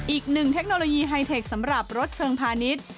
เทคโนโลยีไฮเทคสำหรับรถเชิงพาณิชย์